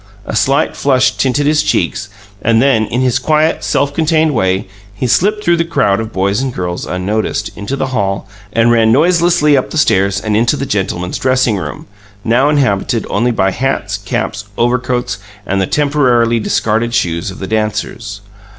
A slight flush tinted his cheeks, and then, in his quiet, self contained way, he slipped through the crowd of girls and boys, unnoticed, into the hall, and ran noiselessly up the stairs and into the "gentlemen's dressing room", now inhabited only by hats, caps, overcoats, and the temporarily discarded shoes of the dancers.